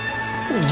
うん。